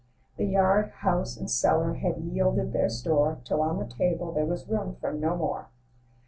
The yard, house, and cellar had yielded their store, Till on the table there was room for no more.